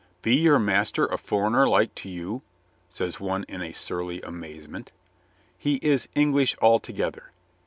"Be your master a foreigner like to you ?" says one in a surly amaze ment. "He is English altogether.